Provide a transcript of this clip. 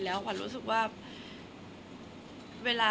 แต่ขวัญไม่สามารถสวมเขาให้แม่ขวัญได้